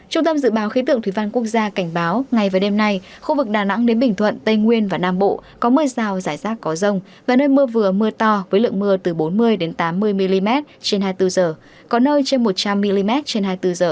trung tâm dự báo khí tượng thủy văn quốc gia cảnh báo ngày và đêm nay khu vực đà nẵng đến bình thuận tây nguyên và nam bộ có mưa rào rải rác có rông và nơi mưa vừa mưa to với lượng mưa từ bốn mươi tám mươi mm trên hai mươi bốn h có nơi trên một trăm linh mm trên hai mươi bốn h